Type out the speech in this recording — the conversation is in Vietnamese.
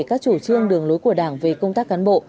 các chủ trương đường lối của đảng về công tác cán bộ